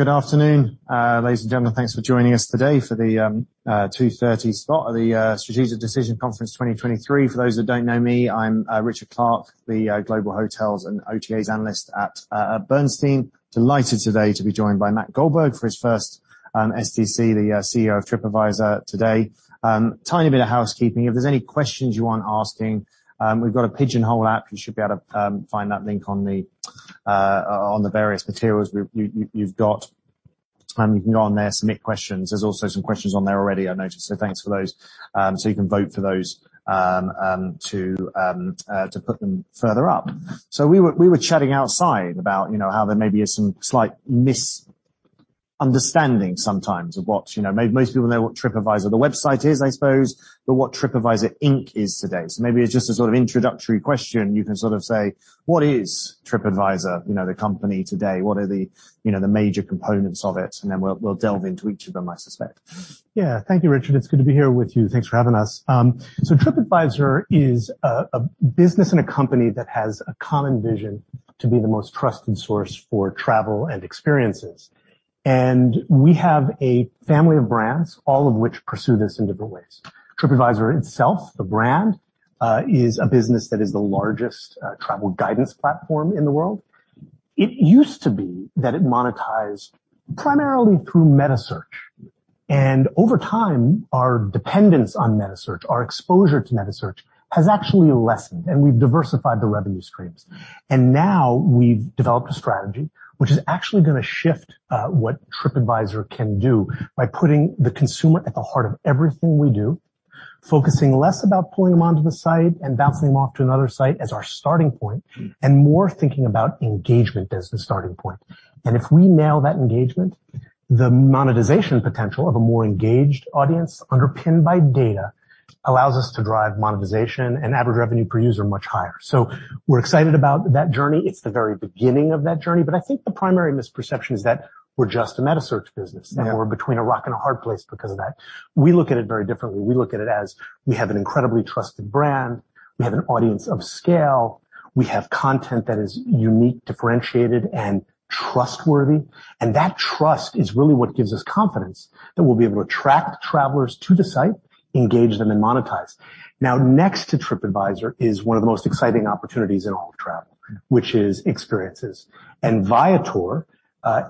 Good afternoon, ladies and gentlemen. Thanks for joining us today for the 2:30 spot of the Strategic Decisions Conference 2023. For those that don't know me, I'm Richard Clarke, the Global Hotels and OTAs analyst at Bernstein. Delighted today to be joined by Matt Goldberg for his first SDC, the CEO of Tripadvisor Today. Tiny bit of housekeeping. If there's any questions you want asking, we've got a Pigeonhole app. You should be able to find that link on the various materials you've got, and you can go on there, submit questions. There's also some questions on there already, I noticed. Thanks for those. You can vote for those to put them further up. We were chatting outside about, you know, how there may be some slight misunderstanding sometimes of what, you know, maybe most people know what Tripadvisor the website is, I suppose, but what Tripadvisor, Inc. is today. Maybe it's just a sort of introductory question. You can sort of say: What is Tripadvisor, you know, the company today, what are the, you know, the major components of it? Then we'll delve into each of them, I suspect. Yeah. Thank you, Richard. It's good to be here with you. Thanks for having us. Tripadvisor is a business and a company that has a common vision to be the most trusted source for travel and experiences. We have a family of brands, all of which pursue this in different ways. Tripadvisor itself, the brand, is a business that is the largest travel guidance platform in the world. It used to be that it monetized primarily through metasearch, and over time, our dependence on metasearch, our exposure to metasearch, has actually lessened, and we've diversified the revenue streams. Now we've developed a strategy which is actually gonna shift what Tripadvisor can do by putting the consumer at the heart of everything we do, focusing less about pulling them onto the site and bouncing them off to another site as our starting point, and more thinking about engagement as the starting point. If we nail that engagement, the monetization potential of a more engaged audience, underpinned by data, allows us to drive monetization and average revenue per user much higher. We're excited about that journey. It's the very beginning of that journey. I think the primary misperception is that we're just a metasearch business. Yeah. We're between a rock and a hard place because of that. We look at it very differently. We look at it as we have an incredibly trusted brand, we have an audience of scale, we have content that is unique, differentiated, and trustworthy, and that trust is really what gives us confidence that we'll be able to attract travelers to the site, engage them, and monetize. Now, next to Tripadvisor is one of the most exciting opportunities in all of travel, which is experiences. Viator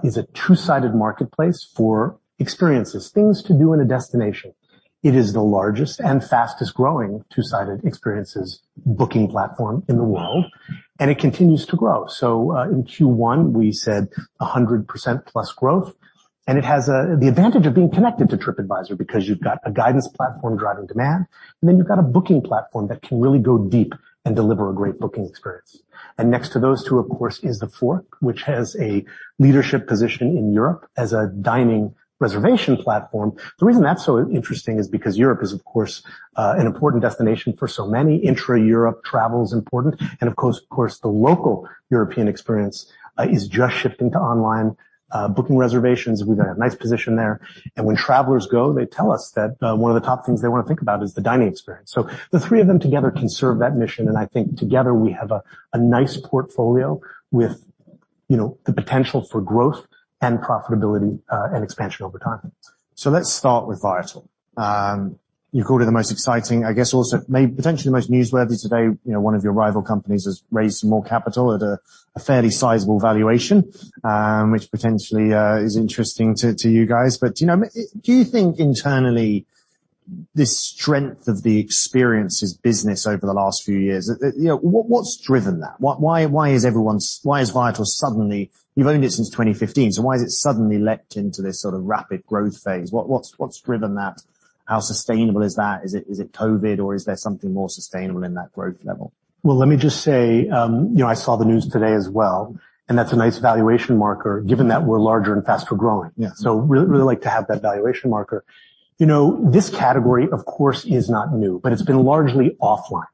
is a two-sided marketplace for experiences, things to do in a destination. It is the largest and fastest growing two-sided experiences booking platform in the world, and it continues to grow. In Q1, we said 100% plus growth, and it has the advantage of being connected to Tripadvisor because you've got a guidance platform driving demand, and then you've got a booking platform that can really go deep and deliver a great booking experience. Next to those two, of course, is TheFork, which has a leadership position in Europe as a dining reservation platform. The reason that's so interesting is because Europe is, of course, an important destination for so many. Intra-Europe travel is important, and of course, the local European experience is just shifting to online booking reservations. We've got a nice position there. When travelers go, they tell us that one of the top things they want to think about is the dining experience. The three of them together can serve that mission, and I think together we have a nice portfolio with, you know, the potential for growth and profitability, and expansion over time. Let's start with Viator. You call it the most exciting, I guess also maybe potentially the most newsworthy today. You know, one of your rival companies has raised some more capital at a fairly sizable valuation, which potentially is interesting to you guys. You know, do you think internally, this strength of the experiences business over the last few years, you know, what's driven that? Why is Viator suddenly... You've owned it since 2015, so why has it suddenly leapt into this sort of rapid growth phase? What's driven that? How sustainable is that? Is it COVID, or is there something more sustainable in that growth level? Let me just say, you know, I saw the news today as well, and that's a nice valuation marker, given that we're larger and faster growing. Yeah. really, really like to have that valuation marker. You know, this category, of course, is not new, but it's been largely offline.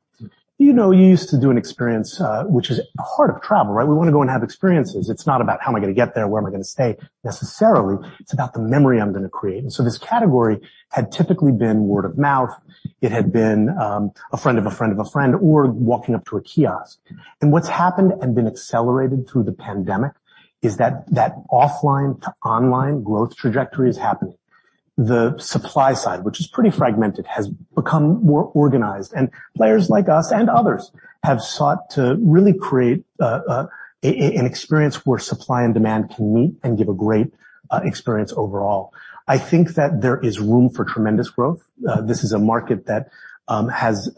You know, you used to do an experience, which is at the heart of travel, right? We want to go and have experiences. It's not about how am I gonna get there, where am I gonna stay, necessarily. It's about the memory I'm gonna create. This category had typically been word of mouth. It had been, a friend of a friend of a friend, or walking up to a kiosk. What's happened and been accelerated through the pandemic is that offline-to-online growth trajectory is happening. The supply side, which is pretty fragmented, has become more organized, and players like us and others have sought to really create an experience where supply and demand can meet and give a great experience overall. I think that there is room for tremendous growth. This is a market that has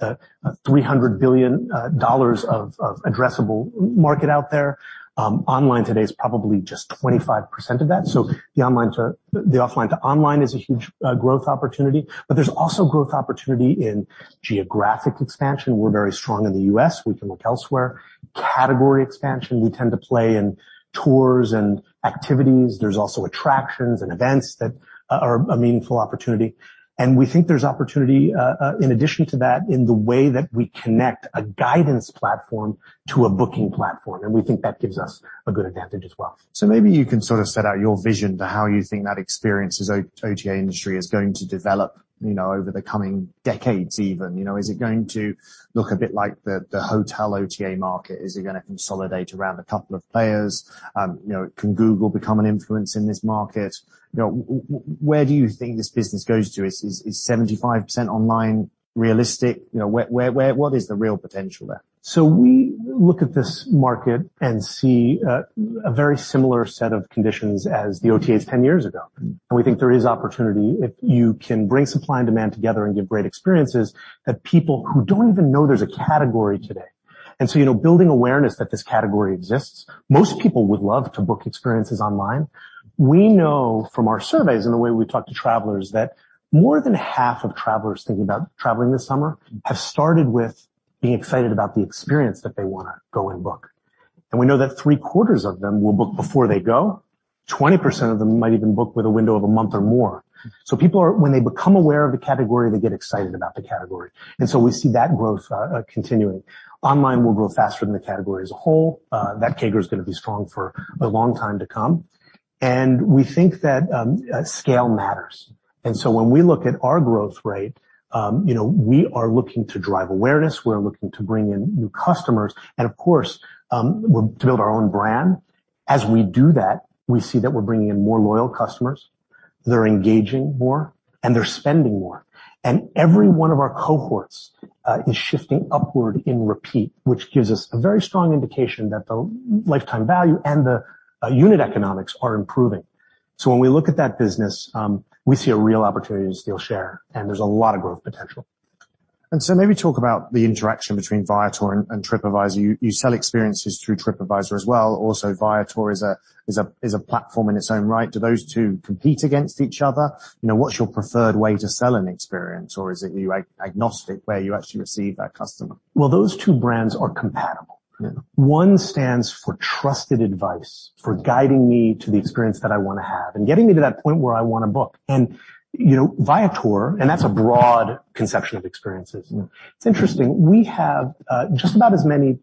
$300 billion of addressable market out there. Online today is probably just 25% of that. The offline to online is a huge growth opportunity, but there's also growth opportunity in geographic expansion. We're very strong in the U.S. We can look elsewhere. Category expansion, we tend to play in tours and activities. There's also attractions and events that are a meaningful opportunity. We think there's opportunity in addition to that, in the way that we connect a guidance platform to a booking platform. We think that gives us a good advantage as well. Maybe you can sort of set out your vision for how you think that experiences OTA industry is going to develop, you know, over the coming decades, even. You know, is it going to look a bit like the hotel OTA market? Is it gonna consolidate around a couple of players? You know, can Google become an influence in this market? You know, where do you think this business goes to? Is 75% online realistic? You know, where, what is the real potential there? We look at this market and see a very similar set of conditions as the OTAs 10 years ago. We think there is opportunity, if you can bring supply and demand together and give great experiences, that people who don't even know there's a category today. You know, building awareness that this category exists, most people would love to book experiences online. We know from our surveys and the way we talk to travelers, that more than half of travelers thinking about traveling this summer, have started with being excited about the experience that they want to go and book. We know that three quarters of them will book before they go. 20% of them might even book with a window of one month or more. People when they become aware of the category, they get excited about the category, and so we see that growth continuing. Online will grow faster than the category as a whole. That CAGR is gonna be strong for a long time to come. We think that scale matters. When we look at our growth rate, you know, we are looking to drive awareness, we're looking to bring in new customers, and of course, we're to build our own brand. As we do that, we see that we're bringing in more loyal customers, they're engaging more, and they're spending more. Every one of our cohorts is shifting upward in repeat, which gives us a very strong indication that the lifetime value and the unit economics are improving. When we look at that business, we see a real opportunity to steal share, and there's a lot of growth potential. Maybe talk about the interaction between Viator and Tripadvisor. You, you sell experiences through Tripadvisor as well. Also, Viator is a platform in its own right. Do those two compete against each other? You know, what's your preferred way to sell an experience, or is it you are agnostic, where you actually receive that customer? Well, those two brands are compatible. Yeah. One stands for trusted advice, for guiding me to the experience that I wanna have and getting me to that point where I wanna book. You know, Viator, and that's a broad conception of experiences. Yeah. It's interesting, we have, just about as many,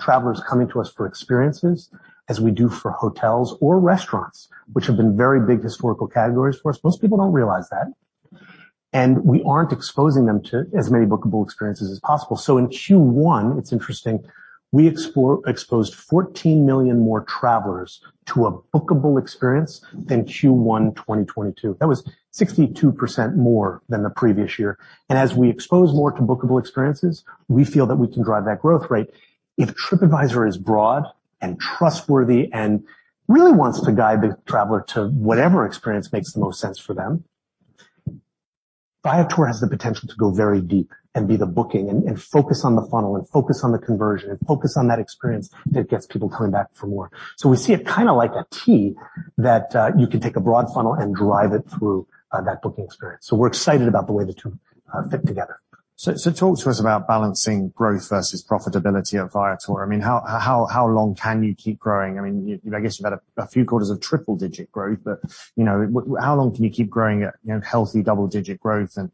travelers coming to us for experiences as we do for hotels or restaurants, which have been very big historical categories for us. Most people don't realize that, we aren't exposing them to as many bookable experiences as possible. In Q1, it's interesting, we exposed 14 million more travelers to a bookable experience than Q1 2022. That was 62% more than the previous year. As we expose more to bookable experiences, we feel that we can drive that growth rate. If Tripadvisor is broad and trustworthy and really wants to guide the traveler to whatever experience makes the most sense for them, Viator has the potential to go very deep and be the booking, and focus on the funnel, and focus on the conversion, and focus on that experience that gets people coming back for more. We see it kind of like a T, that you can take a broad funnel and drive it through that booking experience. We're excited about the way the two fit together. Talk to us about balancing growth versus profitability at Viator. I mean, how long can you keep growing? I mean, you, I guess you've had a few quarters of triple-digit growth, but, you know, how long can you keep growing at, you know, healthy double-digit growth, and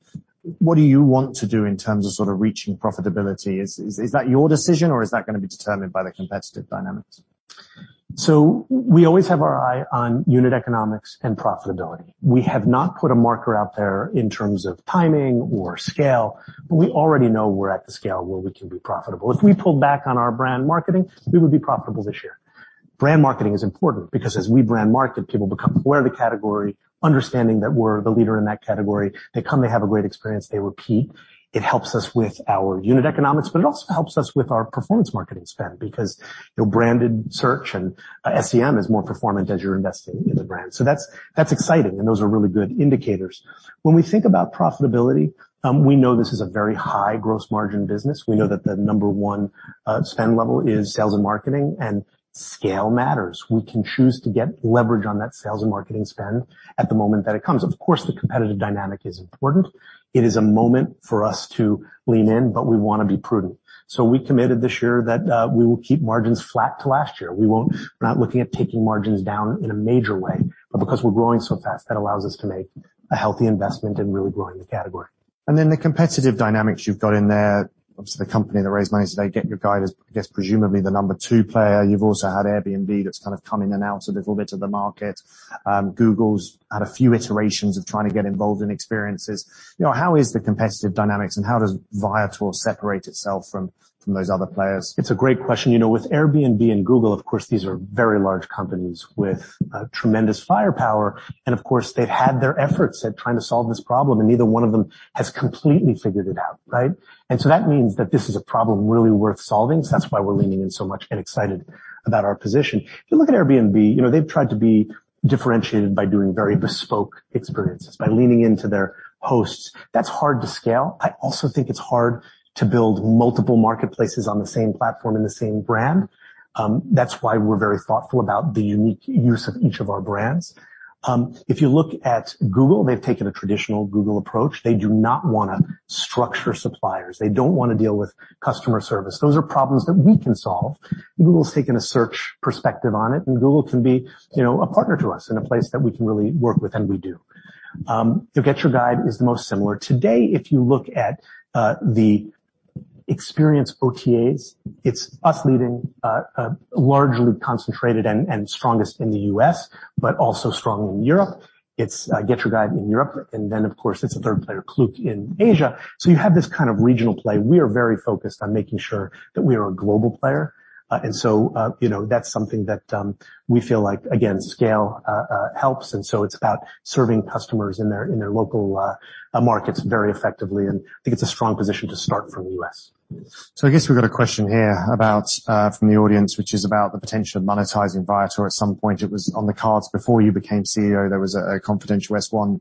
what do you want to do in terms of sort of reaching profitability? Is that your decision, or is that gonna be determined by the competitive dynamics? We always have our eye on unit economics and profitability. We have not put a marker out there in terms of timing or scale, but we already know we're at the scale where we can be profitable. If we pulled back on our brand marketing, we would be profitable this year. Brand marketing is important because as we brand market, people become aware of the category, understanding that we're the leader in that category. They come, they have a great experience, they repeat. It helps us with our unit economics, but it also helps us with our performance marketing spend, because, you know, branded search and SEM is more performant as you're investing in the brand. That's, that's exciting, and those are really good indicators. When we think about profitability, we know this is a very high gross margin business. We know that the number one spend level is sales and marketing, and scale matters. We can choose to get leverage on that sales and marketing spend at the moment that it comes. Of course, the competitive dynamic is important. It is a moment for us to lean in. We wanna be prudent. We committed this year that we will keep margins flat to last year. We're not looking at taking margins down in a major way. Because we're growing so fast, that allows us to make a healthy investment in really growing the category. The competitive dynamics you've got in there, obviously, the company that raised money today, GetYourGuide, is, I guess, presumably the number two player. You've also had Airbnb that's kind of come in and out a little bit of the market. Google's had a few iterations of trying to get involved in experiences. You know, how is the competitive dynamics, and how does Viator separate itself from those other players? It's a great question. You know, with Airbnb and Google, of course, these are very large companies with tremendous firepower, and of course, they've had their efforts at trying to solve this problem, and neither one of them has completely figured it out, right? That means that this is a problem really worth solving, so that's why we're leaning in so much and excited about our position. If you look at Airbnb, you know, they've tried to be differentiated by doing very bespoke experiences, by leaning into their hosts. That's hard to scale. I also think it's hard to build multiple marketplaces on the same platform and the same brand. That's why we're very thoughtful about the unique use of each of our brands. If you look at Google, they've taken a traditional Google approach. They do not wanna structure suppliers. They don't wanna deal with customer service. Those are problems that we can solve. Google's taken a search perspective on it. Google can be, you know, a partner to us and a place that we can really work with, and we do. You know, GetYourGuide is the most similar. Today, if you look at the experience OTAs, it's us leading, largely concentrated and strongest in the U.S., but also strong in Europe. It's GetYourGuide in Europe. Of course, it's a third player, Klook, in Asia. You have this kind of regional play. We are very focused on making sure that we are a global player. You know, that's something that we feel like again, scale helps, and so it's about serving customers in their local markets very effectively, and I think it's a strong position to start from the U.S. I guess we've got a question here about from the audience, which is about the potential of monetizing Viator at some point. It was on the cards before you became CEO. There was a confidential S-1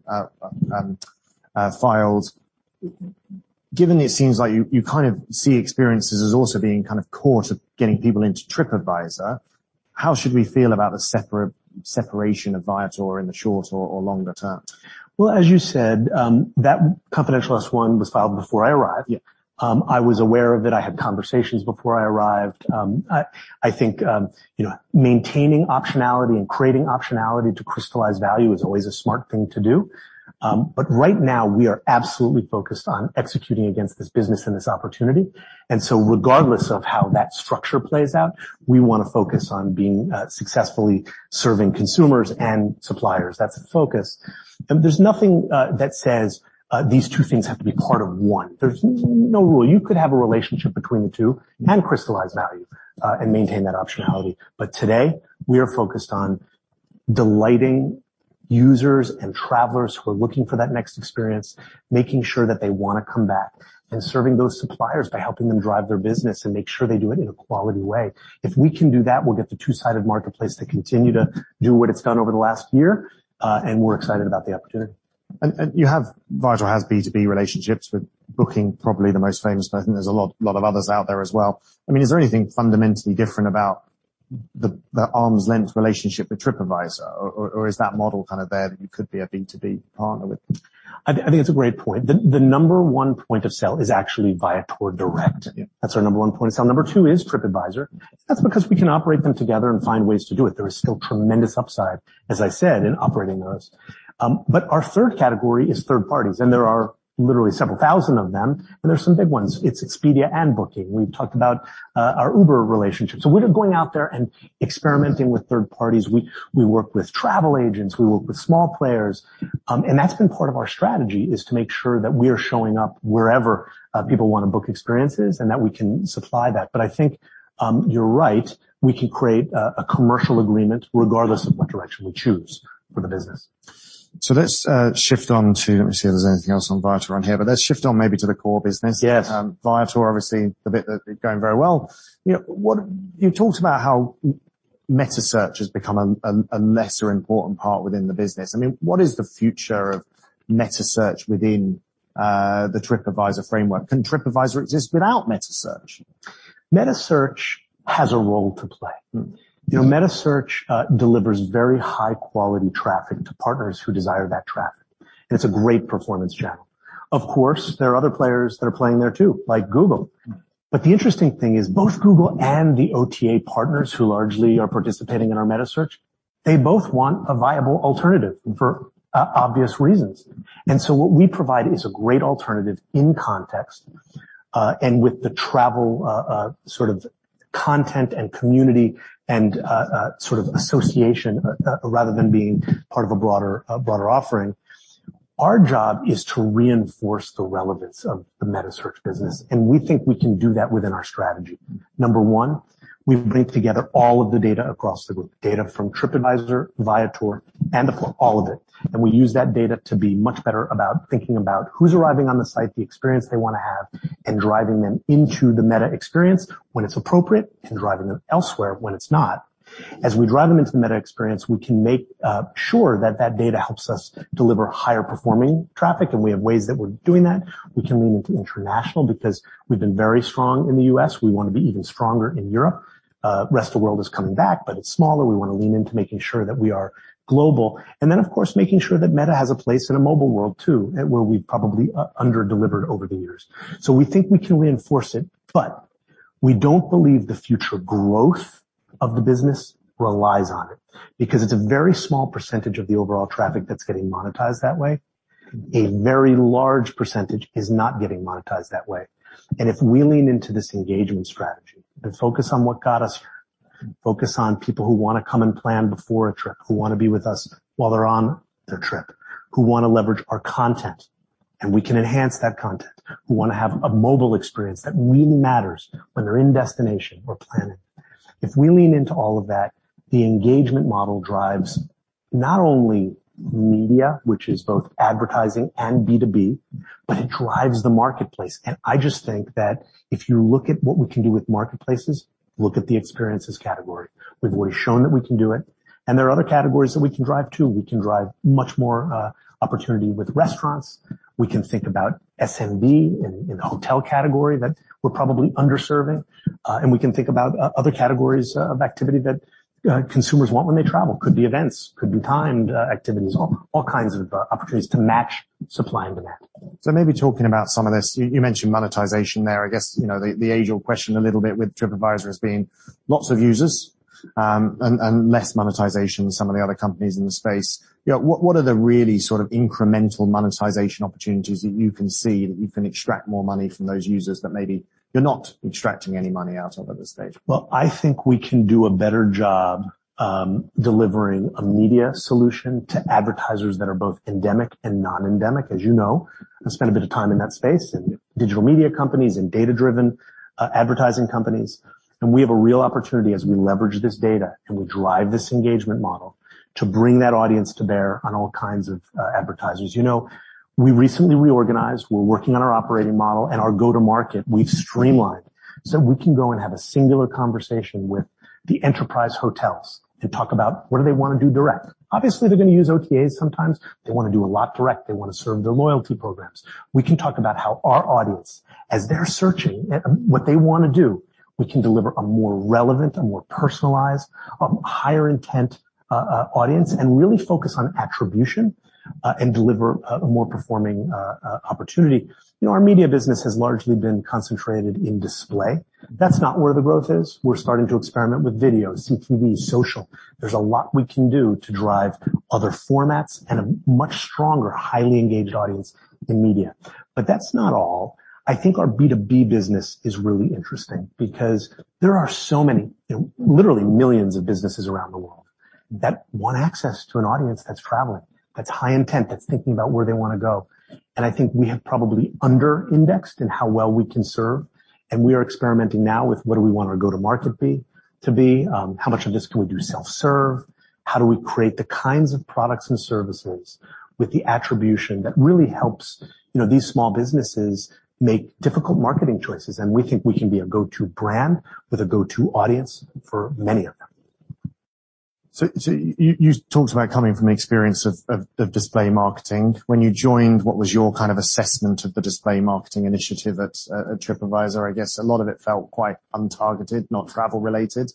filed. Given it seems like you kind of see experiences as also being kind of core to getting people into Tripadvisor. How should we feel about the separation of Viator in the short or longer term? Well, as you said, that confidential S-1 was filed before I arrived. Yeah. I was aware of it. I had conversations before I arrived. I think, you know, maintaining optionality and creating optionality to crystallize value is always a smart thing to do. Right now, we are absolutely focused on executing against this business and this opportunity. Regardless of how that structure plays out, we wanna focus on being successfully serving consumers and suppliers. That's the focus. There's nothing that says these two things have to be part of one. There's no rule. You could have a relationship between the two and crystallize value and maintain that optionality. Today, we are focused on delighting users and travelers who are looking for that next experience, making sure that they wanna come back, and serving those suppliers by helping them drive their business and make sure they do it in a quality way. If we can do that, we'll get the two-sided marketplace to continue to do what it's done over the last year, and we're excited about the opportunity. Viator has B2B relationships with Booking, probably the most famous, but I think there's a lot of others out there as well. I mean, is there anything fundamentally different about the arm's length relationship with Tripadvisor, or is that model kind of there that you could be a B2B partner with? I think it's a great point. The number one point of sale is actually Viator direct. Yeah. That's our number 1 point of sale. Number 2 is Tripadvisor. That's because we can operate them together and find ways to do it. There is still tremendous upside, as I said, in operating those. Our third category is third parties, and there are literally several thousand of them, and there are some big ones. It's Expedia and Booking. We've talked about our Uber relationship. We're going out there and experimenting with third parties. We work with travel agents, we work with small players. That's been part of our strategy, is to make sure that we are showing up wherever people wanna book experiences and that we can supply that. I think you're right, we can create a commercial agreement regardless of what direction we choose for the business. Let me see if there's anything else on Viator on here, let's shift on maybe to the core business. Yes. Viator, obviously, the bit that is going very well. You talked about how metasearch has become a lesser important part within the business. I mean, what is the future of metasearch within the Tripadvisor framework? Can Tripadvisor exist without metasearch? Metasearch has a role to play. Mm-hmm. You know, metasearch delivers very high-quality traffic to partners who desire that traffic, and it's a great performance channel. Of course, there are other players that are playing there, too, like Google. The interesting thing is, both Google and the OTA partners, who largely are participating in our metasearch, they both want a viable alternative for obvious reasons. What we provide is a great alternative in context, and with the travel sort of content and community and sort of association, rather than being part of a broader offering. Our job is to reinforce the relevance of the metasearch business, and we think we can do that within our strategy. Number 1, we've brought together all of the data across the group, data from Tripadvisor, Viator, and all of it. We use that data to be much better about thinking about who's arriving on the site, the experience they wanna have, and driving them into the meta experience when it's appropriate, and driving them elsewhere when it's not. As we drive them into the meta experience, we can make sure that that data helps us deliver higher performing traffic, and we have ways that we're doing that. We can lean into international because we've been very strong in the U.S. We want to be even stronger in Europe. Rest of the world is coming back, but it's smaller. We want to lean into making sure that we are global. Then, of course, making sure that meta has a place in a mobile world, too, where we've probably under delivered over the years. We think we can reinforce it, but we don't believe the future growth of the business relies on it, because it's a very small percentage of the overall traffic that's getting monetized that way. A very large percentage is not getting monetized that way. If we lean into this engagement strategy and focus on what got us here, focus on people who wanna come and plan before a trip, who wanna be with us while they're on their trip, who wanna leverage our content, and we can enhance that content, who wanna have a mobile experience, that really matters when they're in destination or planning. If we lean into all of that, the engagement model drives not only media, which is both advertising and B2B, but it drives the marketplace. I just think that if you look at what we can do with marketplaces, look at the experiences category. We've already shown that we can do it, and there are other categories that we can drive, too. We can drive much more opportunity with restaurants. We can think about SMB in the hotel category that we're probably underserving, and we can think about other categories of activity that consumers want when they travel. Could be events, could be timed activities, all kinds of opportunities to match supply and demand. Maybe talking about some of this, you mentioned monetization there. I guess, you know, the age-old question a little bit with Tripadvisor has been: lots of users, and less monetization than some of the other companies in the space. You know, what are the really sort of incremental monetization opportunities that you can see, that you can extract more money from those users that maybe you're not extracting any money out of at this stage? Well, I think we can do a better job, delivering a media solution to advertisers that are both endemic and non-endemic. As you know, I spent a bit of time in that space, in digital media companies and data-driven, advertising companies. We have a real opportunity as we leverage this data, and we drive this engagement model to bring that audience to bear on all kinds of, advertisers. You know, we recently reorganized. We're working on our operating model and our go-to market. We've streamlined, so we can go and have a singular conversation with the enterprise hotels. And talk about what do they want to do direct? Obviously, they're going to use OTAs sometimes. They want to do a lot direct. They want to serve their loyalty programs. We can talk about how our audience, as they're searching, what they want to do, we can deliver a more relevant, a more personalized, a higher intent audience, and really focus on attribution, and deliver a more performing opportunity. You know, our media business has largely been concentrated in display. That's not where the growth is. We're starting to experiment with video, CTV, social. There's a lot we can do to drive other formats and a much stronger, highly engaged audience in media. That's not all. I think our B2B business is really interesting because there are so many, literally millions of businesses around the world that want access to an audience that's traveling, that's high intent, that's thinking about where they want to go, and I think we have probably under-indexed in how well we can serve. We are experimenting now with what do we want our go-to-market to be, how much of this can we do self-serve? How do we create the kinds of products and services with the attribution that really helps, you know, these small businesses make difficult marketing choices? We think we can be a go-to brand with a go-to audience for many of them. You talked about coming from the experience of display marketing. When you joined, what was your kind of assessment of the display marketing initiative at Tripadvisor? I guess a lot of it felt quite untargeted, not travel-related.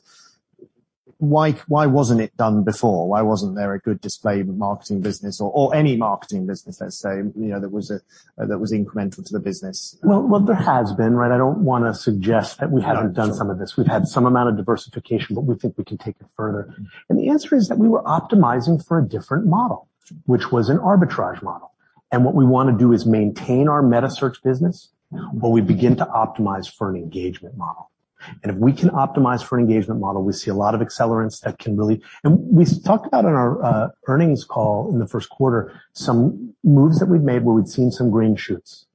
Why wasn't it done before? Why wasn't there a good display marketing business or any marketing business, let's say, you know, that was incremental to the business? Well, there has been, right? I don't want to suggest that we haven't done some of this. Sure. We've had some amount of diversification, but we think we can take it further. The answer is that we were optimizing for a different model, which was an arbitrage model. What we want to do is maintain our metasearch business, but we begin to optimize for an engagement model. If we can optimize for an engagement model, we see a lot of accelerants that can. We talked about on our earnings call in the first quarter, some moves that we've made where we've seen some green shoots,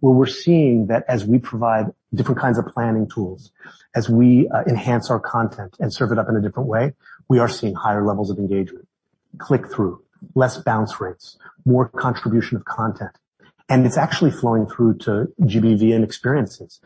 where we're seeing that as we provide different kinds of planning tools, as we enhance our content and serve it up in a different way, we are seeing higher levels of engagement, click-through, less bounce rates, more contribution of content, and it's actually flowing through to GBV and experiences.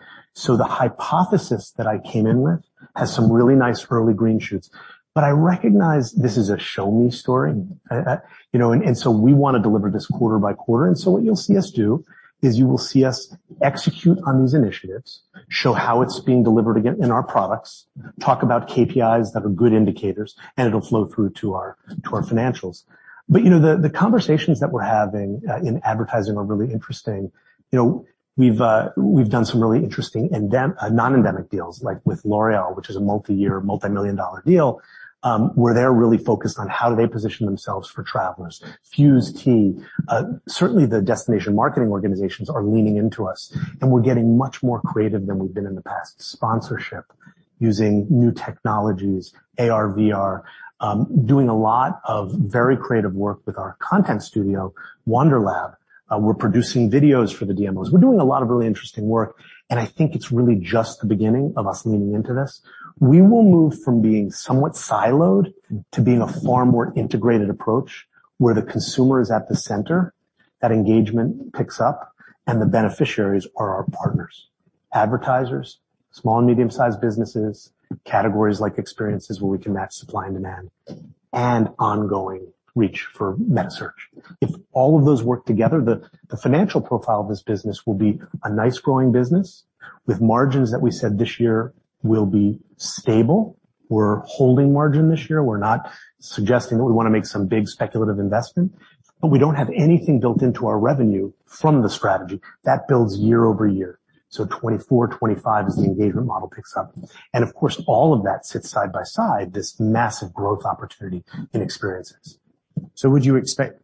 The hypothesis that I came in with has some really nice early green shoots, but I recognize this is a show-me story. You know, we want to deliver this quarter by quarter. What you'll see us do is you will see us execute on these initiatives, show how it's being delivered again in our products, talk about KPIs that are good indicators, and it'll flow through to our financials. You know, the conversations that we're having in advertising are really interesting. You know, we've done some really interesting non-endemic deals, like with L'Oréal, which is a multi-year, multi-million dollar deal, where they're really focused on how do they position themselves for travelers. Fuze Tea. Certainly the destination marketing organizations are leaning into us, and we're getting much more creative than we've been in the past. Sponsorship, using new technologies, AR, VR, doing a lot of very creative work with our content studio, Wanderlab. We're producing videos for the DMOs. We're doing a lot of really interesting work, and I think it's really just the beginning of us leaning into this. We will move from being somewhat siloed to being a far more integrated approach, where the consumer is at the center, that engagement picks up, and the beneficiaries are our partners, advertisers, small and medium-sized businesses, categories like experiences, where we can match supply and demand, and ongoing reach for metasearch. If all of those work together, the financial profile of this business will be a nice growing business, with margins that we said this year will be stable. We're holding margin this year. We're not suggesting that we want to make some big speculative investment, but we don't have anything built into our revenue from the strategy. That builds year-over-year, so 2024, 2025, as the engagement model picks up. Of course, all of that sits side by side, this massive growth opportunity in experiences. Would you expect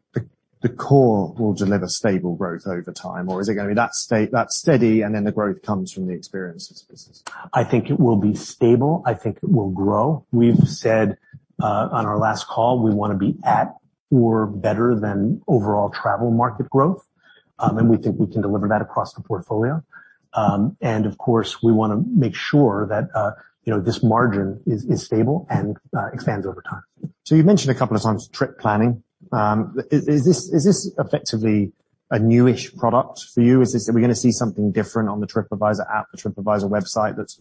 the core will deliver stable growth over time, or is it going to be that steady, and then the growth comes from the experiences business? I think it will be stable. I think it will grow. We've said on our last call, we want to be at or better than overall travel market growth. We think we can deliver that across the portfolio. Of course, we want to make sure that, you know, this margin is stable and expands over time. You've mentioned a couple of times trip planning. Is this effectively a new-ish product for you? Are we going to see something different on the Tripadvisor app or Tripadvisor website that's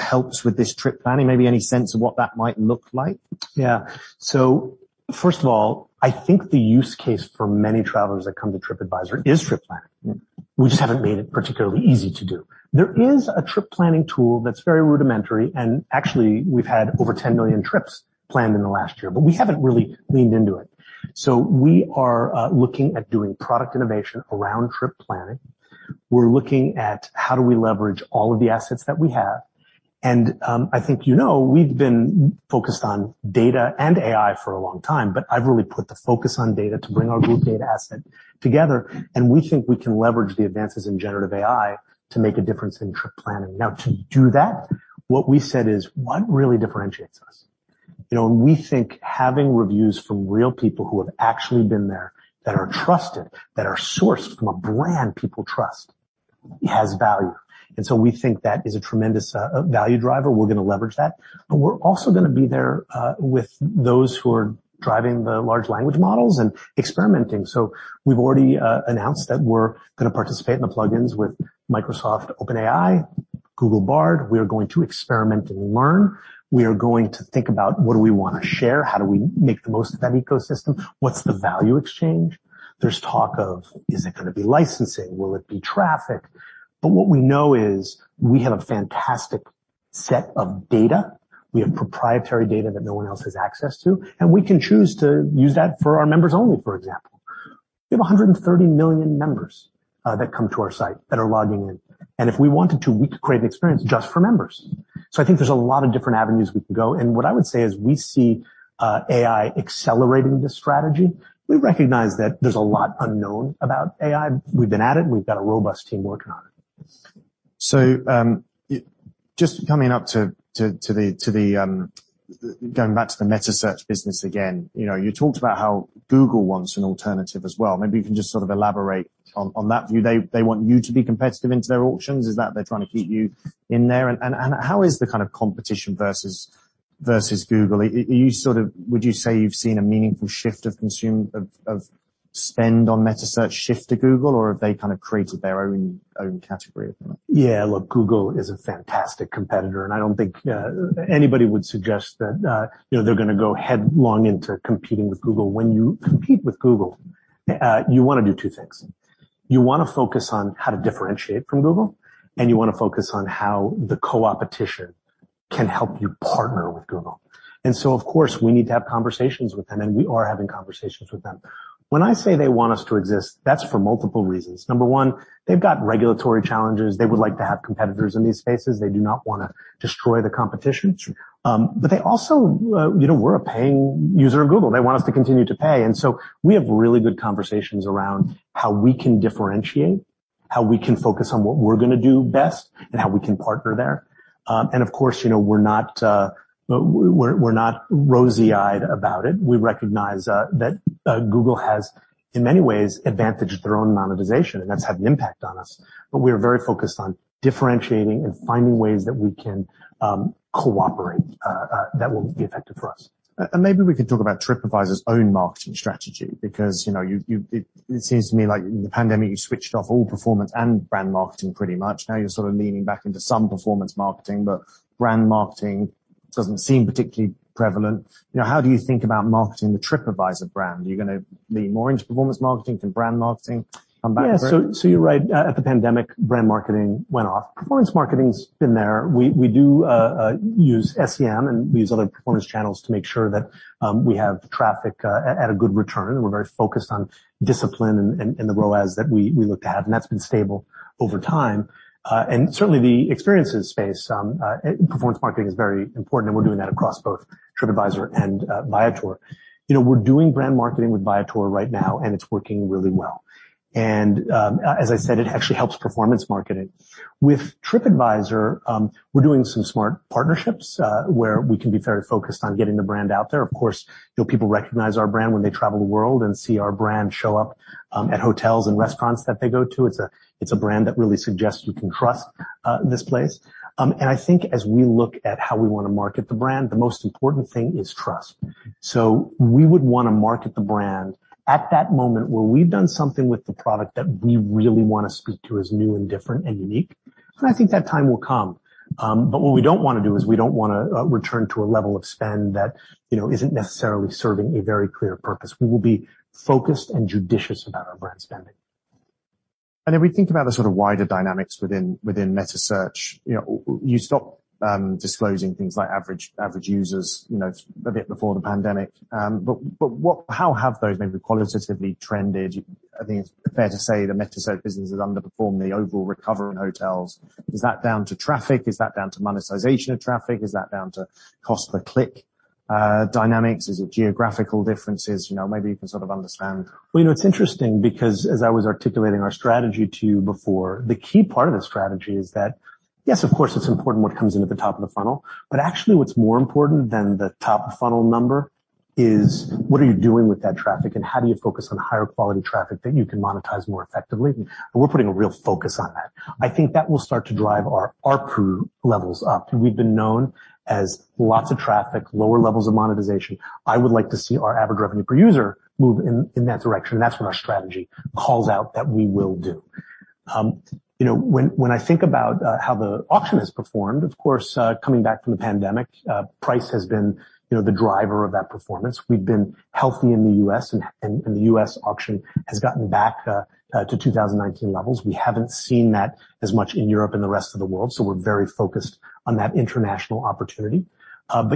helps with this trip planning? Maybe any sense of what that might look like? First of all, I think the use case for many travelers that come to Tripadvisor is trip planning. We just haven't made it particularly easy to do. There is a trip planning tool that's very rudimentary, and actually we've had over 10 million trips planned in the last year, but we haven't really leaned into it. We are looking at doing product innovation around trip planning. We're looking at how do we leverage all of the assets that we have, and, I think you know, we've been focused on data and AI for a long time, but I've really put the focus on data to bring our group data asset together, and we think we can leverage the advances in generative AI to make a difference in trip planning. To do that, what we said is, what really differentiates us? You know, we think having reviews from real people who have actually been there, that are trusted, that are sourced from a brand people trust, has value. We think that is a tremendous value driver. We're going to leverage that, but we're also going to be there with those who are driving the large language models and experimenting. We've already announced that we're going to participate in the plugins with Microsoft OpenAI. Google Bard, we are going to experiment and learn. We are going to think about what do we want to share? How do we make the most of that ecosystem? What's the value exchange? There's talk of, is it gonna be licensing? Will it be traffic? What we know is we have a fantastic set of data. We have proprietary data that no one else has access to. We can choose to use that for our members only, for example. We have 130 million members that come to our site, that are logging in, and if we wanted to, we could create an experience just for members. I think there's a lot of different avenues we can go, and what I would say is we see AI accelerating this strategy. We recognize that there's a lot unknown about AI. We've been at it, and we've got a robust team working on it. Going back to the meta search business again, you know, you talked about how Google wants an alternative as well. Maybe you can just sort of elaborate on that view. They want you to be competitive into their auctions, is that they're trying to keep you in there? And how is the kind of competition versus Google? You sort of would you say you've seen a meaningful shift of consume, of spend on meta search shift to Google, or have they kind of created their own category of them? Yeah, look, Google is a fantastic competitor, and I don't think anybody would suggest that, you know, they're gonna go headlong into competing with Google. When you compete with Google, you wanna do two things. You wanna focus on how to differentiate from Google, and you wanna focus on how the co-opetition can help you partner with Google. Of course, we need to have conversations with them, and we are having conversations with them. When I say they want us to exist, that's for multiple reasons. Number one, they've got regulatory challenges. They would like to have competitors in these spaces. They do not wanna destroy the competition. Sure. They also, you know, we're a paying user of Google. They want us to continue to pay, and so we have really good conversations around how we can differentiate, how we can focus on what we're gonna do best, and how we can partner there. Of course, you know, we're not rosy-eyed about it. We recognize that Google has, in many ways, advantaged their own monetization, and that's had an impact on us. We're very focused on differentiating and finding ways that we can cooperate that will be effective for us. Maybe we can talk about Tripadvisor's own marketing strategy, because, you know, you, it seems to me like in the pandemic, you switched off all performance and brand marketing, pretty much. Now you're sort of leaning back into some performance marketing, but brand marketing doesn't seem particularly prevalent. You know, how do you think about marketing the Tripadvisor brand? Are you gonna lean more into performance marketing than brand marketing? Come back to it? Yeah. So you're right. At the pandemic, brand marketing went off. Performance marketing's been there. We do use SEM, we use other performance channels to make sure that we have traffic at a good return. We're very focused on discipline and the ROAS that we look to have, that's been stable over time. Certainly the experiences space, performance marketing is very important, we're doing that across both Tripadvisor and Viator. You know, we're doing brand marketing with Viator right now, it's working really well. As I said, it actually helps performance marketing. With Tripadvisor, we're doing some smart partnerships where we can be very focused on getting the brand out there. Of course, you know, people recognize our brand when they travel the world and see our brand show up, at hotels and restaurants that they go to. It's a, it's a brand that really suggests you can trust, this place. I think as we look at how we want to market the brand, the most important thing is trust. We would want to market the brand at that moment where we've done something with the product that we really want to speak to, as new and different and unique, and I think that time will come. What we don't want to do is we don't wanna return to a level of spend that, you know, isn't necessarily serving a very clear purpose. We will be focused and judicious about our brand spending. If we think about the sort of wider dynamics within metasearch, you know, you stopped disclosing things like average users, you know, a bit before the pandemic. How have those maybe qualitatively trended? I think it's fair to say the metasearch business has underperformed the overall recovery in hotels. Is that down to traffic? Is that down to monetization of traffic? Is that down to cost per click dynamics? Is it geographical differences? You know, maybe you can sort of understand? You know, it's interesting because as I was articulating our strategy to you before, the key part of the strategy is that, yes, of course, it's important what comes in at the top of the funnel, but actually what's more important than the top of funnel number is what are you doing with that traffic and how do you focus on higher quality traffic that you can monetize more effectively? We're putting a real focus on that. I think that will start to drive our ARPU levels up. We've been known as lots of traffic, lower levels of monetization. I would like to see our average revenue per user move in that direction, and that's what our strategy calls out that we will do. You know, when I think about how the auction has performed, of course, coming back from the pandemic, price has been, you know, the driver of that performance. We've been healthy in the U.S., and the U.S. auction has gotten back to 2019 levels. We haven't seen that as much in Europe and the rest of the world. We're very focused on that international opportunity.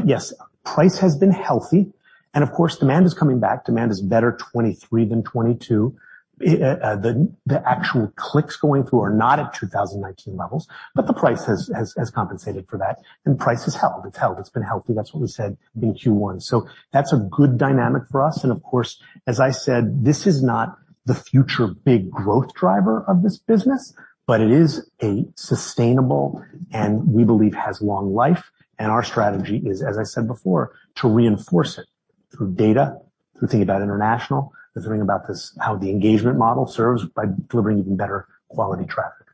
Yes, price has been healthy, and of course, demand is coming back. Demand is better, 2023 than 2022. The actual clicks going through are not at 2019 levels, but the price has compensated for that, and price has held. It's held, it's been healthy. That's what we said in Q1. That's a good dynamic for us. Of course, as I said, this is not the future big growth driver of this business, but it is a sustainable and we believe has long life. Our strategy is, as I said before, to reinforce it through data, through thinking about international, through thinking about this, how the engagement model serves by delivering even better quality traffic....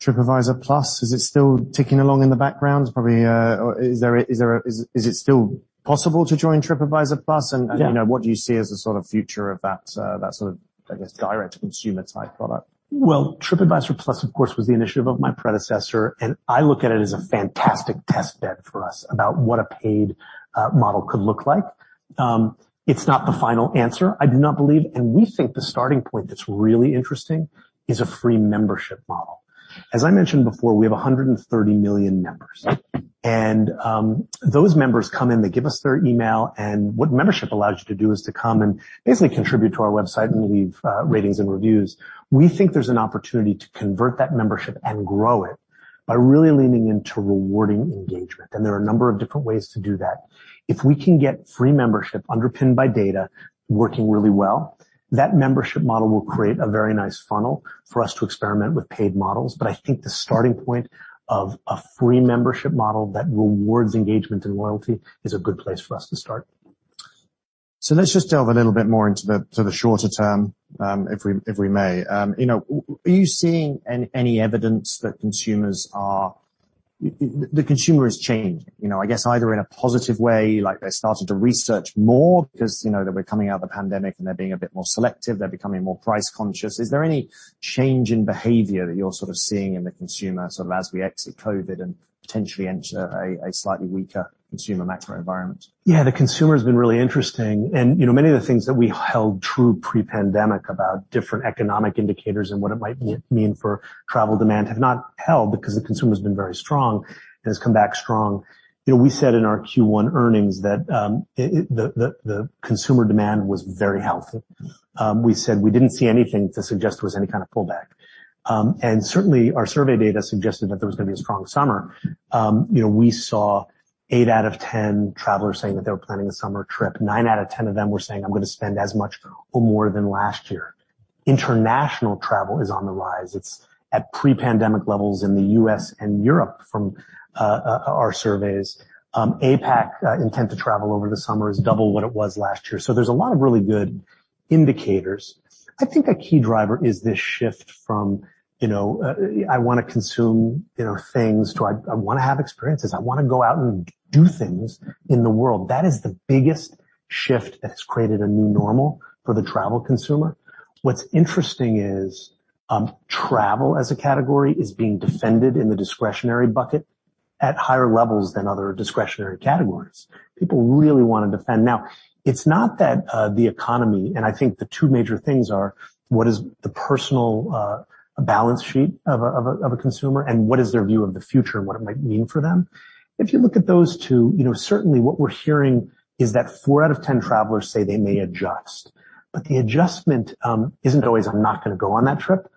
Tripadvisor Plus, is it still ticking along in the background? Probably, or is there a, is it still possible to join Tripadvisor Plus? Yeah. you know, what do you see as the sort of future of that sort of, I guess, direct-to-consumer type product? Well, Tripadvisor Plus, of course, was the initiative of my predecessor. I look at it as a fantastic test bed for us about what a paid model could look like. It's not the final answer, I do not believe. We think the starting point that's really interesting is a free membership model. As I mentioned before, we have 130 million members. Those members come in, they give us their email. What membership allows you to do is to come and basically contribute to our website and leave ratings and reviews. We think there's an opportunity to convert that membership and grow it by really leaning into rewarding engagement. There are a number of different ways to do that. If we can get free membership underpinned by data working really well, that membership model will create a very nice funnel for us to experiment with paid models. I think the starting point of a free membership model that rewards engagement and loyalty is a good place for us to start. Let's just delve a little bit more into the, to the shorter term, if we, if we may. You know, are you seeing any evidence that the consumer has changed, you know, I guess either in a positive way, like they started to research more because, you know, they're coming out of the pandemic, and they're being a bit more selective, they're becoming more price conscious. Is there any change in behavior that you're sort of seeing in the consumer, sort of as we exit COVID and potentially enter a slightly weaker consumer macro environment? Yeah, the consumer's been really interesting, and, you know, many of the things that we held true pre-pandemic about different economic indicators and what it might mean for travel demand have not held because the consumer's been very strong and has come back strong. You know, we said in our Q1 earnings that the consumer demand was very healthy. We said we didn't see anything to suggest there was any kind of pullback. Certainly, our survey data suggested that there was gonna be a strong summer. You know, we saw eight out of 10 travelers saying that they were planning a summer trip. Nine out of 10 of them were saying, "I'm gonna spend as much or more than last year." International travel is on the rise. It's at pre-pandemic levels in the U.S. and Europe from our surveys. APAC intent to travel over the summer is double what it was last year. There's a lot of really good indicators. I think a key driver is this shift from, you know, I want to consume, you know, things to I want to have experiences. I want to go out and do things in the world. That is the biggest shift that has created a new normal for the travel consumer. What's interesting is, travel, as a category, is being defended in the discretionary bucket at higher levels than other discretionary categories. People really want to defend. It's not that the economy, I think the two major things are, what is the personal balance sheet of a consumer, and what is their view of the future and what it might mean for them? If you look at those two, you know, certainly what we're hearing is that four out of 10 travelers say they may adjust, the adjustment isn't always, "I'm not gonna go on that trip."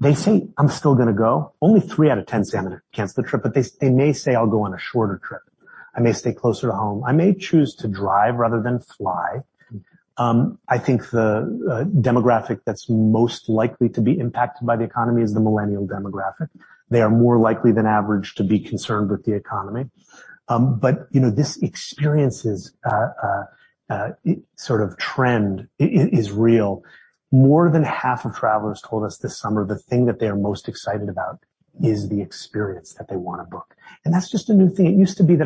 They say, "I'm still gonna go." Only three out of 10 say, "I'm gonna cancel the trip," they may say, "I'll go on a shorter trip. I may stay closer to home. I may choose to drive rather than fly." I think the demographic that's most likely to be impacted by the economy is the millennial demographic. They are more likely than average to be concerned with the economy. you know, this experience sort of trend is real. More than half of travelers told us this summer, the thing that they are most excited about is the experience that they want to book, that's just a new thing. It used to be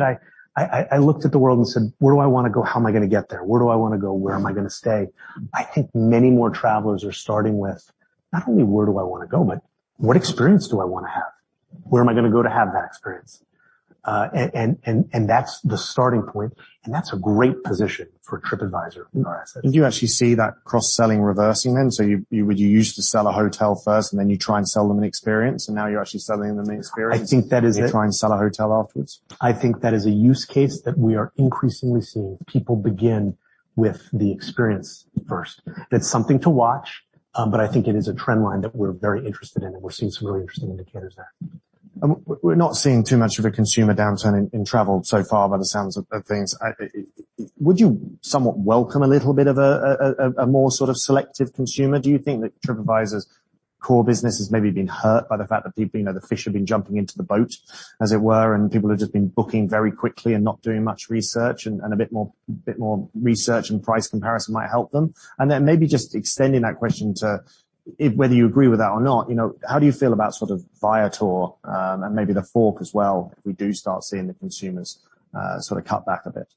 that I looked at the world and said: Where do I want to go? How am I gonna get there? Where do I want to go? Where am I gonna stay? I think many more travelers are starting with not only where do I want to go, but what experience do I want to have? Where am I gonna go to have that experience? that's the starting point, and that's a great position for Tripadvisor in our asset. Do you actually see that cross-selling reversing then? You used to sell a hotel first, and then you try and sell them an experience, and now you're actually selling them the experience… I think that is it. you try and sell a hotel afterwards. I think that is a use case that we are increasingly seeing. People begin with the experience first. It's something to watch. I think it is a trend line that we're very interested in. We're seeing some really interesting indicators there. We're not seeing too much of a consumer downturn in travel so far by the sounds of things. I. Would you somewhat welcome a more sort of selective consumer? Do you think that Tripadvisor's core business has maybe been hurt by the fact that people, you know, the fish have been jumping into the boat, as it were, and people have just been booking very quickly and not doing much research, and a bit more research and price comparison might help them? Then maybe just extending that question to if whether you agree with that or not, you know, how do you feel about sort of Viator, and maybe TheFork as well, if we do start seeing the consumers sort of cut back a bit?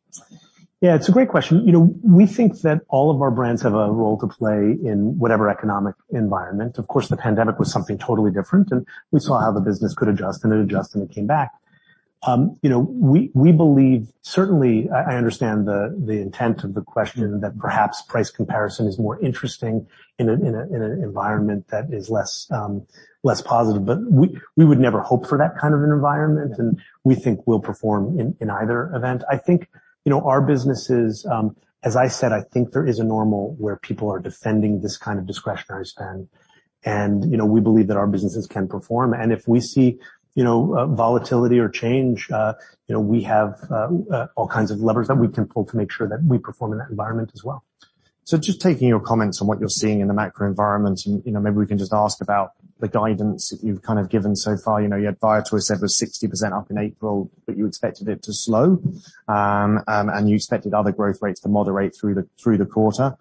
Yeah, it's a great question. You know, we think that all of our brands have a role to play in whatever economic environment. Of course, the pandemic was something totally different. We saw how the business could adjust, and it adjusted, and it came back. You know, we believe, certainly, I understand the intent of the question, that perhaps price comparison is more interesting in an environment that is less positive, but we would never hope for that kind of an environment, and we think we'll perform in either event. I think, you know, our businesses, as I said, I think there is a normal, where people are defending this kind of discretionary spend. you know, we believe that our businesses can perform, and if we see, you know, volatility or change, you know, we have, all kinds of levers that we can pull to make sure that we perform in that environment as well. Just taking your comments on what you're seeing in the macro environment and, you know, maybe we can just ask about the guidance that you've kind of given so far. You know, you had Viator, you said, was 60% up in April, but you expected it to slow. You expected other growth rates to moderate through the, through the quarter.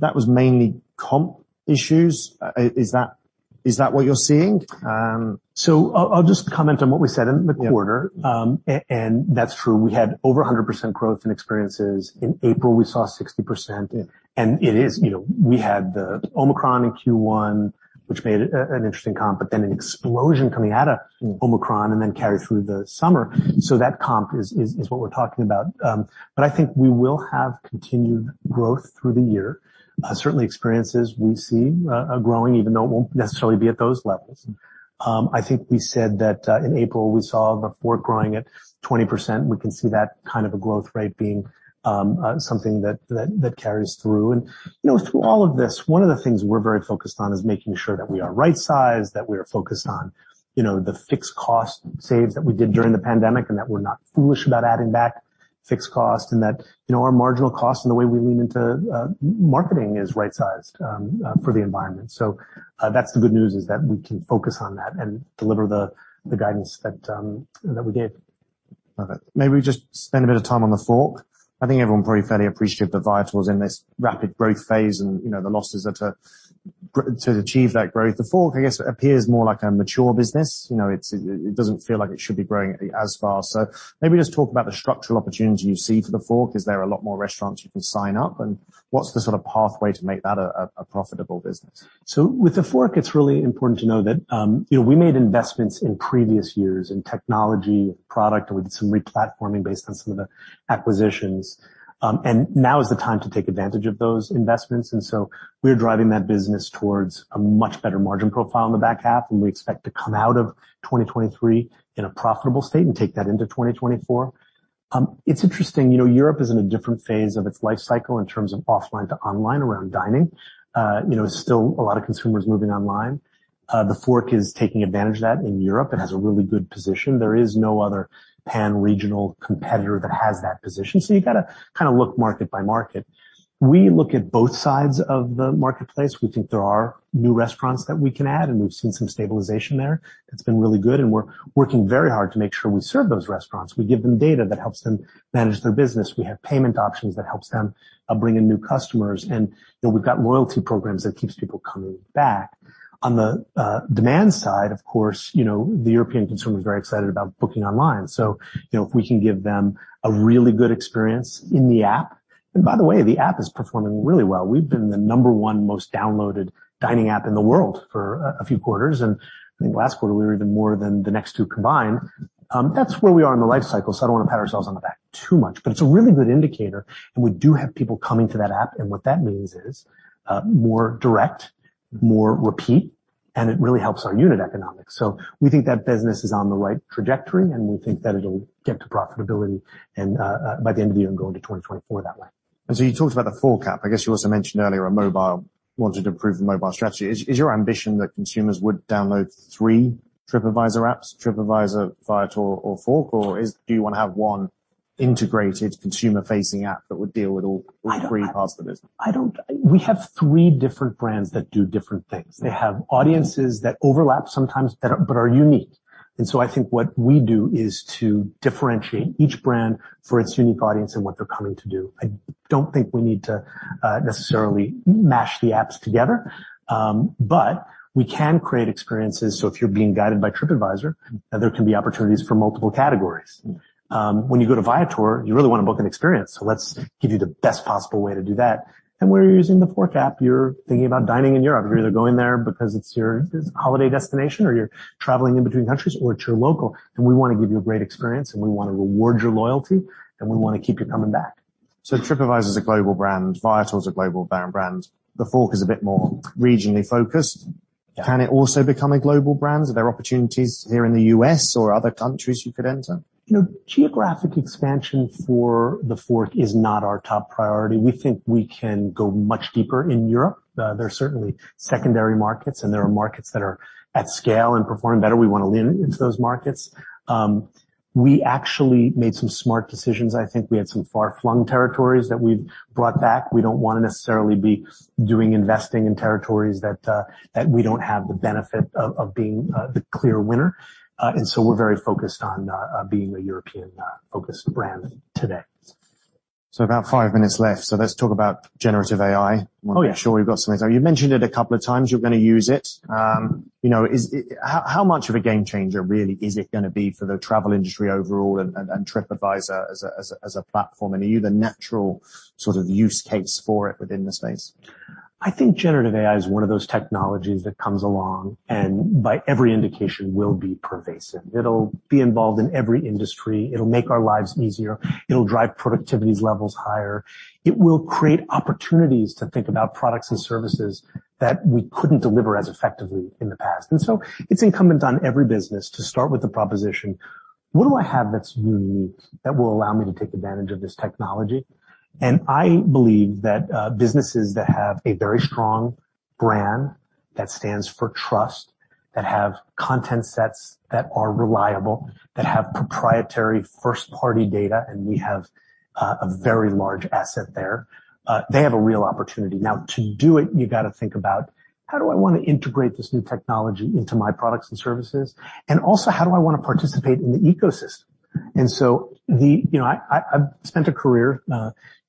That was mainly comp issues. Is that what you're seeing? I'll just comment on what we said in the quarter. Yeah. That's true. We had over 100% growth in experiences. In April, we saw 60%. Yeah. it is, you know, we had the Omicron in Q1, which made it an interesting comp, but then an explosion. Mm. Omicron then carry through the summer. That comp is what we're talking about. I think we will have continued growth through the year. Certainly experiences we see are growing, even though it won't necessarily be at those levels. I think we said that, in April, we saw the fourth growing at 20%. We can see that kind of a growth rate being something that carries through. You know, through all of this, one of the things we're very focused on is making sure that we are right-sized, that we are focused on, you know, the fixed cost saves that we did during the pandemic, and that we're not foolish about adding back fixed cost. That, you know, our marginal cost and the way we lean into marketing is right-sized for the environment. That's the good news, is that we can focus on that and deliver the guidance that we gave. Love it. Maybe just spend a bit of time on TheFork. I think everyone's probably fairly appreciative that Viator was in this rapid growth phase, you know, the losses to achieve that growth. TheFork, I guess, appears more like a mature business. You know, it doesn't feel like it should be growing as fast. Maybe just talk about the structural opportunities you see for TheFork. Is there a lot more restaurants you can sign up, and what's the sort of pathway to make that a profitable business? With TheFork, it's really important to know that, you know, we made investments in previous years in technology, product, and with some replatforming based on some of the acquisitions. Now is the time to take advantage of those investments. We're driving that business towards a much better margin profile in the back half, and we expect to come out of 2023 in a profitable state and take that into 2024. It's interesting, you know, Europe is in a different phase of its life cycle in terms of offline to online around dining. You know, still a lot of consumers moving online. TheFork is taking advantage of that in Europe. It has a really good position. There is no other pan-regional competitor that has that position, so you've gotta kinda look market by market. We look at both sides of the marketplace. We think there are new restaurants that we can add, and we've seen some stabilization there that's been really good, and we're working very hard to make sure we serve those restaurants. We give them data that helps them manage their business. We have payment options that helps them bring in new customers, and, you know, we've got loyalty programs that keeps people coming back. On the demand side, of course, you know, the European consumer is very excited about booking online, so, you know, if we can give them a really good experience in the app... By the way, the app is performing really well. We've been the number 1 most downloaded dining app in the world for a few quarters, and I think last quarter we were even more than the next 2 combined. That's where we are in the life cycle, so I don't want to pat ourselves on the back too much, but it's a really good indicator, and we do have people coming to that app. What that means is, more direct, more repeat, and it really helps our unit economics. We think that business is on the right trajectory, and we think that it'll get to profitability and by the end of the year and go into 2024 that way. You talked about TheFork app. I guess you also mentioned earlier on mobile, wanted to improve the mobile strategy. Is your ambition that consumers would download three Tripadvisor apps, Tripadvisor, Viator, or TheFork? Do you wanna have one integrated consumer-facing app that would deal with all- I don't- three parts of the business? We have three different brands that do different things. They have audiences that overlap sometimes, but are unique. I think what we do is to differentiate each brand for its unique audience and what they're coming to do. I don't think we need to necessarily mash the apps together, but we can create experiences, so if you're being guided by Tripadvisor, there can be opportunities for multiple categories. Mm. When you go to Viator, you really want to book an experience, so let's give you the best possible way to do that. And when you're using TheFork app, you're thinking about dining in Europe. You're either going there because it's your holiday destination, or you're traveling in between countries, or it's your local, and we wanna give you a great experience, and we wanna reward your loyalty, and we wanna keep you coming back. Tripadvisor is a global brand. Viator is a global brand. TheFork is a bit more regionally focused. Yeah. Can it also become a global brand? Are there opportunities here in the U.S. or other countries you could enter? You know, geographic expansion for TheFork is not our top priority. We think we can go much deeper in Europe. There are certainly secondary markets, and there are markets that are at scale and performing better. We wanna lean into those markets. We actually made some smart decisions. I think we had some far-flung territories that we've brought back. We don't wanna necessarily be doing investing in territories that we don't have the benefit of being the clear winner. We're very focused on being a European focused brand today. About 5 minutes left, so let's talk about generative AI. Oh, yeah. I'm sure you've got something. You've mentioned it a couple of times, you're gonna use it. you know, How much of a game changer really is it gonna be for the travel industry overall and Tripadvisor as a platform? Are you the natural sort of use case for it within the space? I think generative AI is one of those technologies that comes along, by every indication, will be pervasive. It'll be involved in every industry. It'll make our lives easier. It'll drive productivity levels higher. It will create opportunities to think about products and services that we couldn't deliver as effectively in the past. It's incumbent on every business to start with the proposition: "What do I have that's unique, that will allow me to take advantage of this technology?" I believe that businesses that have a very strong brand that stands for trust. That have content sets that are reliable, that have proprietary first-party data, and we have a very large asset there. They have a real opportunity. Now, to do it, you've got to think about, "How do I want to integrate this new technology into my products and services? How do I want to participate in the ecosystem? You know, I've spent a career, you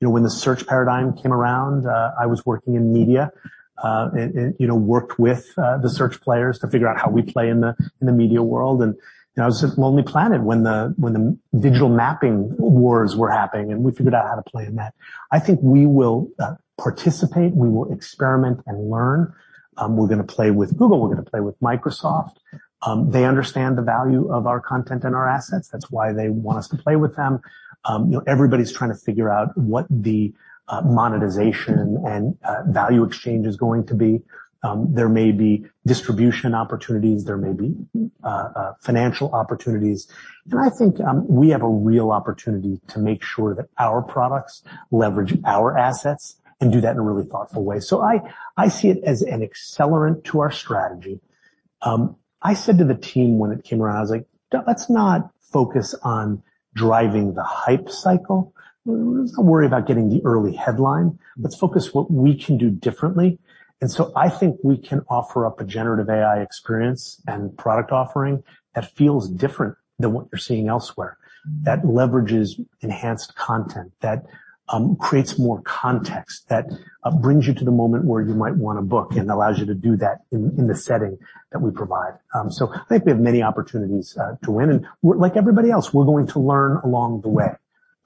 know, when the search paradigm came around, I was working in media, and, you know, worked with the search players to figure out how we play in the media world. You know, I was at Lonely Planet when the digital mapping wars were happening, and we figured out how to play in that. I think we will participate, we will experiment and learn. We're gonna play with Google, we're gonna play with Microsoft. They understand the value of our content and our assets. That's why they want us to play with them. You know, everybody's trying to figure out what the monetization and value exchange is going to be. There may be distribution opportunities, there may be financial opportunities. I think we have a real opportunity to make sure that our products leverage our assets and do that in a really thoughtful way. I see it as an accelerant to our strategy. I said to the team when it came around, I was like, "Let's not focus on driving the hype cycle. Let's not worry about getting the early headline. Let's focus what we can do differently." I think we can offer up a generative AI experience and product offering that feels different than what you're seeing elsewhere, that leverages enhanced content, that creates more context, that brings you to the moment where you might want to book and allows you to do that in the setting that we provide. I think we have many opportunities to win. Like everybody else, we're going to learn along the way.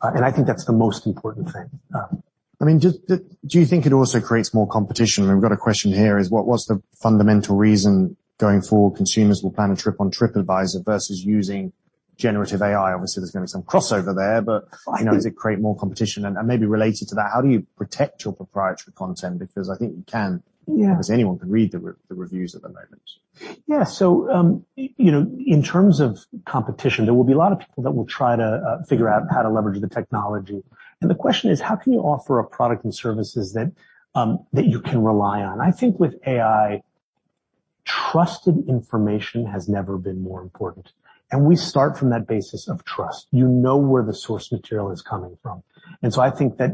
I think that's the most important thing. I mean, just, do you think it also creates more competition? We've got a question here is: What was the fundamental reason, going forward, consumers will plan a trip on Tripadvisor versus using generative AI? Obviously, there's gonna be some crossover there, but... Fine. you know, does it create more competition? Maybe related to that, how do you protect your proprietary content? I think you can. Yeah. Because anyone can read the reviews at the moment. Yeah. You know, in terms of competition, there will be a lot of people that will try to figure out how to leverage the technology. The question is: How can you offer a product and services that you can rely on? I think with AI, trusted information has never been more important, and we start from that basis of trust. You know where the source material is coming from. I think that,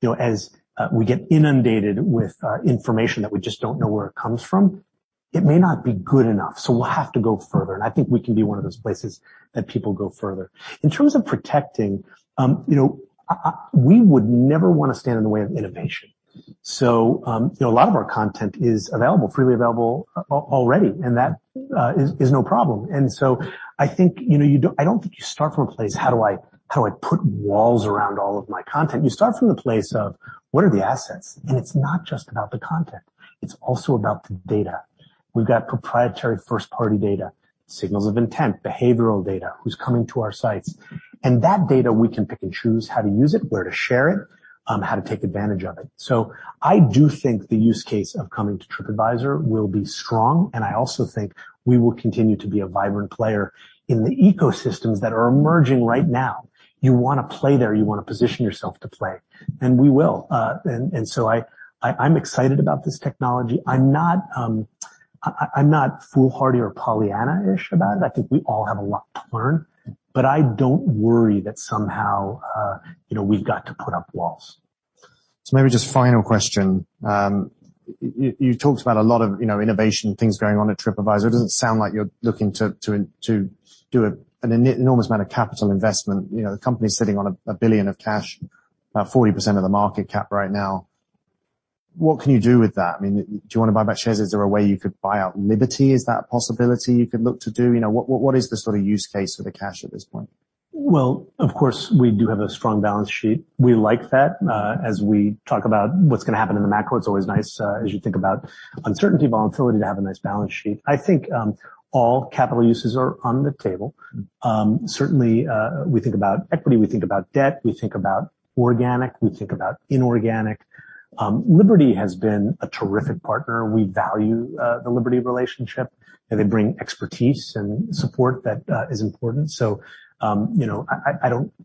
you know, as we get inundated with information that we just don't know where it comes from, it may not be good enough, so we'll have to go further, and I think we can be one of those places that people go further. In terms of protecting, you know, We would never want to stand in the way of innovation. You know, a lot of our content is available, freely available, already, and that is no problem. I think, you know, I don't think you start from a place, How do I put walls around all of my content? You start from the place of: What are the assets? It's not just about the content, it's also about the data. We've got proprietary first-party data, signals of intent, behavioral data, who's coming to our sites. That data, we can pick and choose how to use it, where to share it, how to take advantage of it. I do think the use case of coming to Tripadvisor will be strong, and I also think we will continue to be a vibrant player in the ecosystems that are emerging right now. You want to play there, you want to position yourself to play, and we will. I'm excited about this technology. I'm not foolhardy or Pollyanna-ish about it. I think we all have a lot to learn, but I don't worry that somehow, you know, we've got to put up walls. Maybe just final question. You, you talked about a lot of, you know, innovation and things going on at Tripadvisor. It doesn't sound like you're looking to, to do an enormous amount of capital investment. You know, the company's sitting on $1 billion of cash, about 40% of the market cap right now. What can you do with that? I mean, do you want to buy back shares? Is there a way you could buy out Liberty? Is that a possibility you could look to do? You know, what, what is the sort of use case for the cash at this point? Well, of course, we do have a strong balance sheet. We like that. As we talk about what's gonna happen in the macro, it's always nice, as you think about uncertainty, volatility, to have a nice balance sheet. I think all capital uses are on the table. Certainly, we think about equity, we think about debt, we think about organic, we think about inorganic. Liberty has been a terrific partner. We value the Liberty relationship, and they bring expertise and support that is important. You know,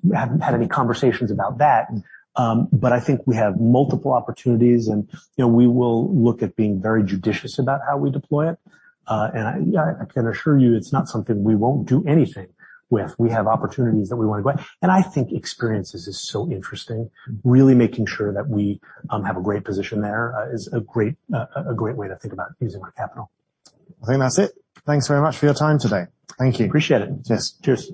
we haven't had any conversations about that, but I think we have multiple opportunities, and, you know, we will look at being very judicious about how we deploy it. I can assure you, it's not something we won't do anything with. We have opportunities that we want to go after. I think experiences is so interesting. Really making sure that we have a great position there is a great way to think about using our capital. I think that's it. Thanks very much for your time today. Thank you. Appreciate it. Yes. Cheers.